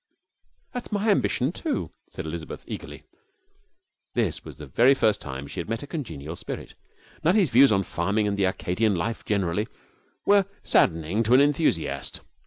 'That's my ambition too,' said Elizabeth, eagerly. This was the very first time she had met a congenial spirit. Nutty's views on farming and the Arcadian life generally were saddening to an enthusiast.